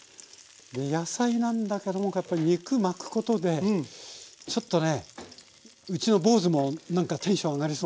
野菜なんだけどもやっぱり肉巻くことでちょっとねうちの坊主もなんかテンション上がりそう。